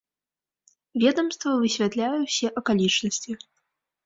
Ведамства высвятляе ўсе акалічнасці.